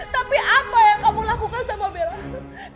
tapi apa yang kamu lakukan sama bella